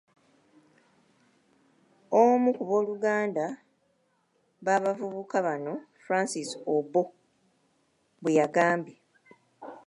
Omu ku booluganda b’abavubuka bano, Francis Obbo bwe yagambye.